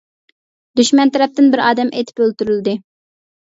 دۈشمەن تەرەپتىن بىر ئادەم ئېتىپ ئۆلتۈرۈلدى.